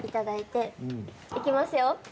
いきますよ。